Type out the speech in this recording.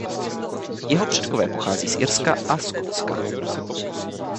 Jeho předkové pochází z Irska a Skotska.